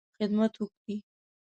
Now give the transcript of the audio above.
خدمت وکړې.